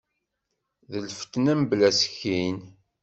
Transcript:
D lfetna mebla asekkin.